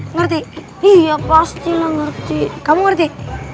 ngerti iya pastilah ngerti kamu ngerti